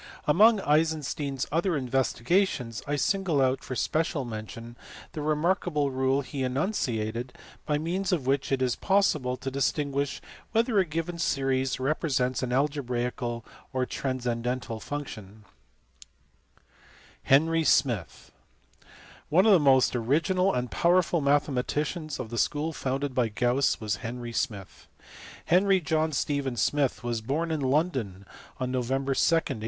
Among Eisenstein s other investigations I single out for special mention the remarkable rule he enunciated by means of which it is possible to distinguish whether a given series represents an algebraical or a transcendental function. Henry Smith t One of the most original and powerful mathematicians of the school founded by Gauss was Henry Smith. Henry John Stephen Smith was born in London on Nov. 2, 1826, and died at Oxford on Feb. 9, 1883. He * Crelle s Journal, vol.